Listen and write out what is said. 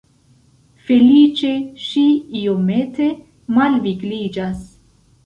Feliĉe ŝi iomete malvigliĝas.